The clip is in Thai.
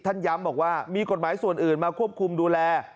ย้ำบอกว่ามีกฎหมายส่วนอื่นมาควบคุมดูแล